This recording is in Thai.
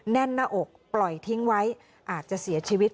แน่นหน้าอกปล่อยทิ้งไว้อาจจะเสียชีวิต